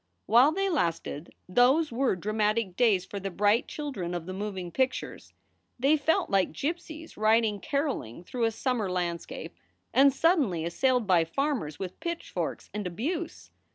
While they lasted those were dramatic days for the bright children of the moving pictures. They felt like gypsies riding caroling through a summer landscape and suddenly assailed by farmers with pitchforks and abuse.